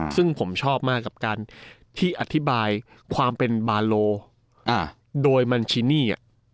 ซึ่งผมชอบมากกับการที่อธิบายความเป็นบาโลโดยมันชินี